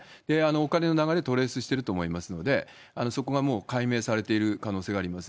お金の流れ、トレースしてると思いますんで、そこがもう解明されている可能性があります。